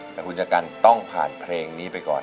แต่คุณชะกันต้องผ่านเพลงนี้ไปก่อน